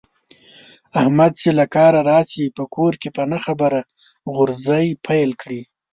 احمد چې له کاره راشي، په کور کې په نه خبره غورزی پیل کړي.